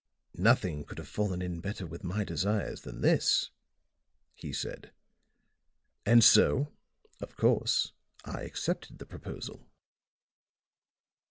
"Nothing could have fallen in better with my desires than this," he said. "And so, of course, I accepted the proposal.